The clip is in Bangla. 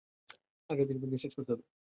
আজ রাতেই ইরফানকে শেষ করতে হবে।